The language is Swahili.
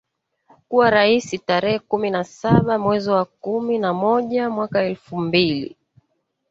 kuwa rais tarehe kumi na saba mwezi wa kumi na moja mwaka elfu mbili